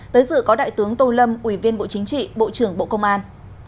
tới dự có đại tướng tô lâm ủy viên bộ chính trị bộ trưởng bộ công an